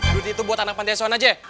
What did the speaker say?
duit itu buat anak panteson aja